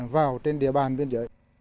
vào trên địa bàn biên giới